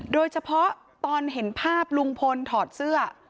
โดยเฉพาะตอนเห็นภาพลุงพลถอดเสื้อ